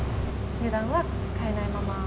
値段は変えないまま？